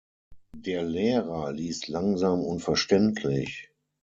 Der Lehrer liest langsam und verständlich.